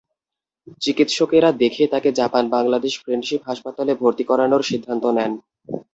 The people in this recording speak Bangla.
চিকিৎসকেরা দেখে তাঁকে জাপান বাংলাদেশ ফ্রেন্ডশিপ হাসপাতালে ভর্তি করানোর সিদ্ধান্ত নেন।